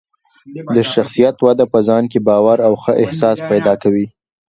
د شخصیت وده په ځان کې باور او ښه احساس پیدا کوي.